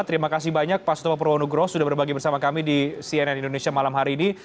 terimakasih banyak pak sutopo purwono gro sudah berbagi bersama kami di cnn indonesia malam hari ini